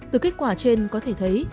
từ kết quả trên có thể thấy